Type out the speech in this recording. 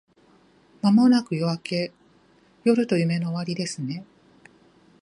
間もなく夜明け…夜と夢の終わりですね